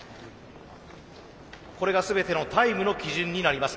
これが全てのタイムの基準になります。